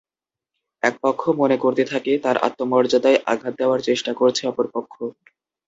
একপক্ষ মনে করতে থাকে তাঁর আত্মমর্যাদায় আঘাত দেওয়ার চেষ্টা করছে অপর পক্ষ।